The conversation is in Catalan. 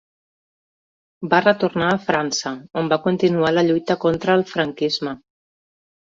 Va retornar a França, on va continuar la lluita contra el franquisme.